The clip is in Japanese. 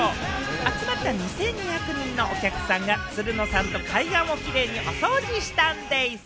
集まった２２００人のお客さんがつるのさんと海岸をキレイにお掃除したんでぃす。